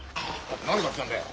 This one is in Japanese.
何買ってきたんだよ。